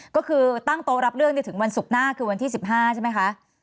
ก็คือตั้งโต๊ะรับเรื่องถึงวันศุกร์หน้าคือวันที่๑๕ใช่ไหมคะ